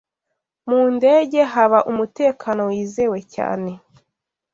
mu ndege haba umutekano wizewe cyane